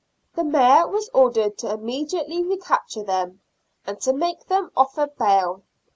The Mayor was ordered to immediately recapture them, and to make them offer bail.